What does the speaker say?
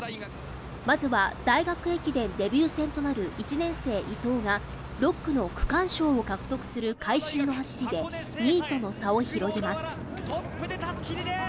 まずは大学駅伝デビュー戦となる１年生・伊藤が６区の区間賞を獲得する会心の走りで２位との差を広げます。